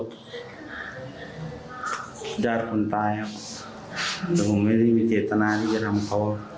จริงสุดยอดคนตายครับแต่ผมไม่ได้มีเกตนาที่จะทำพอ